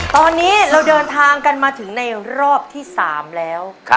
ตอนนี้เราเดินทางกันมาถึงในรอบที่๓แล้ว